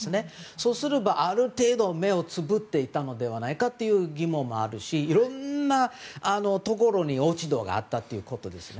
そうすればある程度、目をつぶっていたのではないかという疑問もあるしいろんなところに落ち度があったということですね。